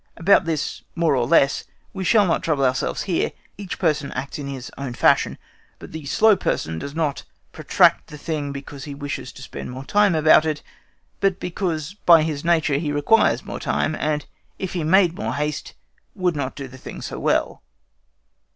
About this more or less we shall not trouble ourselves here. Each person acts in his own fashion; but the slow person does not protract the thing because he wishes to spend more time about it, but because by his nature he requires more time, and if he made more haste would not do the thing so well.